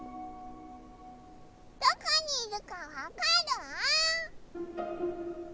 どこにいるかわかる？